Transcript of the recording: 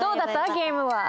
ゲームは。